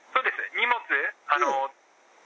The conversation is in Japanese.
荷物。